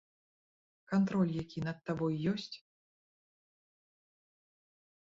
Кантроль які над табой ёсць?